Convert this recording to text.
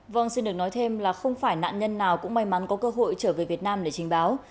vâng xin được nói thêm là không phải nạn nhân nào cũng may mắn có cơ hội trở về việt nam để trình báo